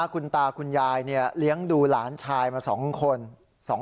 คุณตาคุณยายเลี้ยงดูหลานชายมา๒คน